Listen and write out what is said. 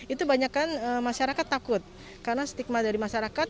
itu banyakkan masyarakat takut karena stigma dari masyarakat